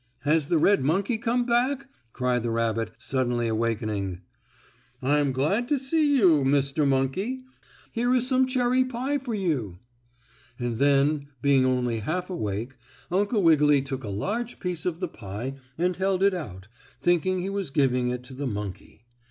Has the red monkey come back?" cried the rabbit, suddenly awakening. "I'm glad to see you, Mr. Monkey. Here is some cherry pie for you." And then, being only half awake, Uncle Wiggily took a large piece of the pie and held it out, thinking he was giving it to the monkey.